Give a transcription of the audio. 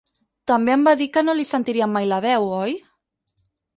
També em va dir que no li sentiríem mai la veu, oi?